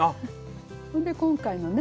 それで今回のね。